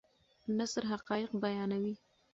نثر حقایق بیانوي.